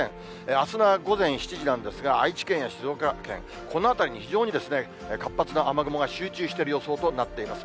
あすの午前７時なんですが、愛知県や静岡県、この辺りに非常に活発な雨雲が集中している予想となっています。